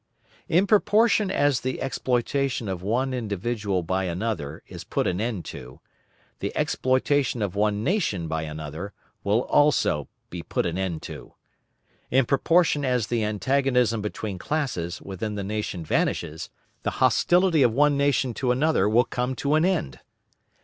In proportion as the exploitation of one individual by another is put an end to, the exploitation of one nation by another will also be put an end to. In proportion as the antagonism between classes within the nation vanishes, the hostility of one nation to another will come to an end.